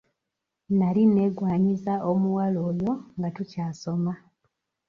Nali neegwanyiza omuwala oyo nga tukyasoma.